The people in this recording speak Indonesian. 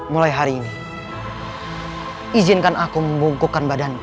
mulai hari ini izinkan aku membungkukkan badanku